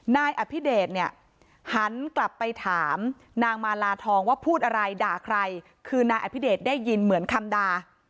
นายอภิเดชเนี่ยหันกลับไปถามนางมาลาทองว่าพูดอะไรด่าใครคือนายอภิเดชได้ยินเหมือนคำด่า